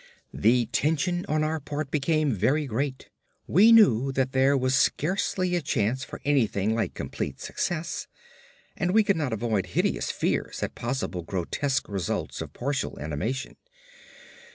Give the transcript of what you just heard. The tension on our part became very great. We knew that there was scarcely a chance for anything like complete success, and could not avoid hideous fears at possible grotesque results of partial animation.